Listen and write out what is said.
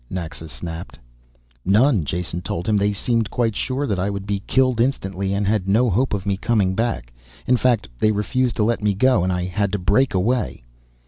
Naxa snapped. "None," Jason told him. "They seemed quite sure that I would be killed instantly and had no hope of me coming back. In fact, they refused to let me go and I had to break away."